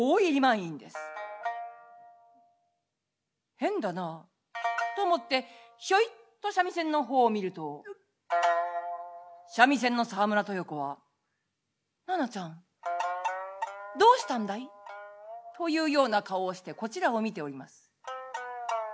「変だな」と思ってひょいっと三味線の方を見ると三味線の沢村豊子は「奈々ちゃんどうしたんだい？」というような顔をしてこちらを見ております。